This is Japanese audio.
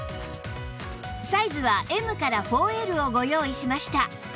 サイズは Ｍ から ４Ｌ をご用意しました